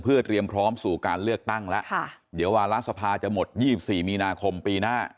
เพื่อเตรียมพร้อมสู่การเลือกตั้งแล้วเดี๋ยววาระสภาจะหมด๒๔มีนาคมปีหน้า